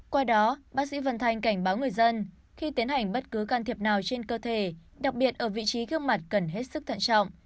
qua đó bác sĩ vân thanh cảnh báo người dân khi tiến hành bất cứ can thiệp nào trên cơ thể đặc biệt ở vị trí gương mặt cần hết sức thận trọng